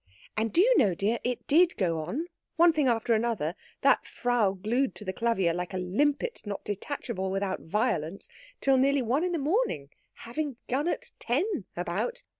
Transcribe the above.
And do you know, dear, it did go on one thing after another, that Frau glued to the clavier like a limpet not detachable without violence till nearly one in the morning, having begun at ten about!